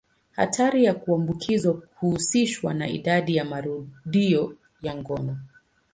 Hatari ya kuambukizwa huhusishwa na idadi ya marudio ya ngono.